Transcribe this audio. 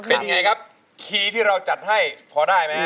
เป็นไงครับคีย์ที่เราจัดให้พอได้ไหม